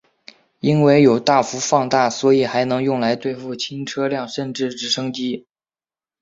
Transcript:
因为有大幅放大所以还能用来对付轻车辆甚至直升机。